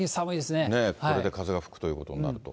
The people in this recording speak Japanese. これで風が吹くということになると。